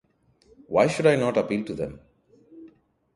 Why should I not appeal to them?